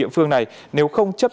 phải đi đâu